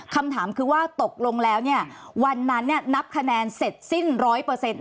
คำถามคือว่าตกลงแล้วเนี่ยวันนั้นนับคะแนนเสร็จสิ้นร้อยเปอร์เซ็นต์